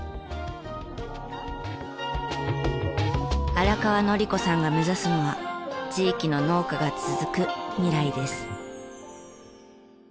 荒川紀子さんが目指すのは地域の農家が続く未来です。